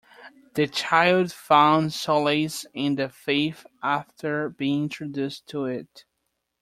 The child found solace in the faith after being introduced to it.